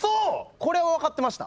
これは分かってました。